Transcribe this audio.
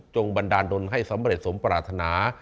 บันดาลดนให้สำเร็จสมปรารถนา